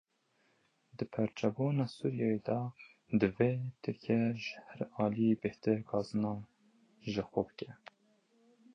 Di perçebûna Sûriyeyê de divê Tirkiye ji her aliyî bêhtir gazinan ji xwe bike.